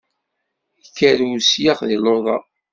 Ikker usyax di luḍa.